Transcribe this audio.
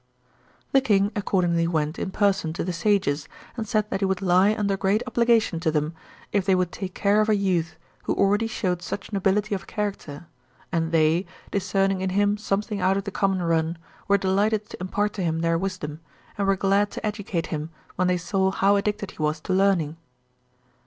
'The king accordingly went in person to the sages, and said that he would lie under _ great obligation to them if they would take care of a youth who already showed such nobility of character; and they, discerning in him. something out. of the common 'run, were delighted to impart to him their wisdom, and were glad to educate him when they saw how addicted he was to learning.